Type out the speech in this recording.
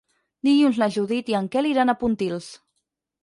Dilluns na Judit i en Quel iran a Pontils.